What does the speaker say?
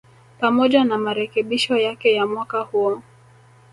pamoja na marekebisho yake ya mwaka huo